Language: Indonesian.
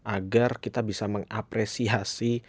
agar kita bisa mengapresiasi